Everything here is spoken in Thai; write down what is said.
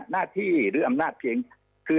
หน้าที่หรืออำนาจเพียง